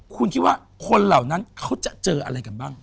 คุณคิดว่าคนเหล่านั้นเขาจะเจออะไรกันบ้าง